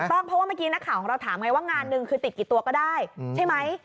เพราะว่าเมื่อกี้นักข่าวของเราถามไงว่างานหนึ่งคือติดกี่ตัวก็ได้ใช่ไหม